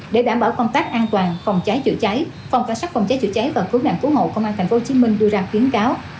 để đảm bảo công tác an toàn phòng cháy chữa cháy phòng cảnh sát phòng cháy chữa cháy và cứu nạn cứu hộ công an tp hcm đưa ra khuyến cáo